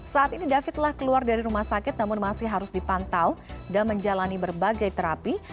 saat ini david telah keluar dari rumah sakit namun masih harus dipantau dan menjalani berbagai terapi